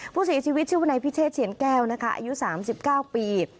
ผู้เสียชีวิตชื่อวนายพิเชษเฉียนแก้วนะคะอายุ๓๙ปี